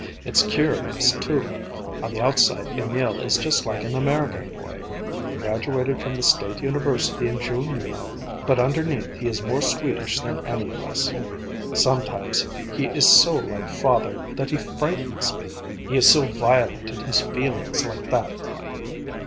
It's curious, too; on the outside Emil is just like an American boy,—he graduated from the State University in June, you know,—but underneath he is more Swedish than any of us. Sometimes he is so like father that he frightens me; he is so violent in his feelings like that."